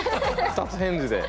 二つ返事で。